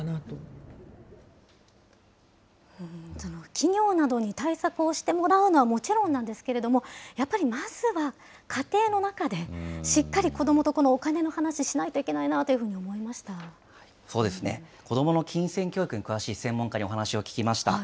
企業などに対策をしてもらうのはもちろんなんですけれども、やっぱりまずは家庭の中で、しっかり子どもとこのお金の話、そうですね、子どもの金銭教育に詳しい専門家にお話を聞きました。